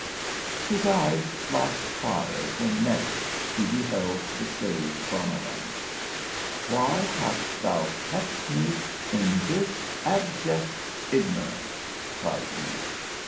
His eyes flashed fire when next he beheld the sage Bonabbon. "Why hast thou kept me in this abject ignorance f" cried he.